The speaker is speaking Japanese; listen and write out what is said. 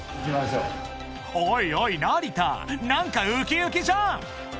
［おいおい成田何かウキウキじゃん］